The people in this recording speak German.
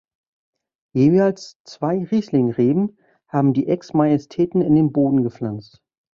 Jeweils zwei Riesling-Reben haben die Ex-Majestäten in den Boden gepflanzt.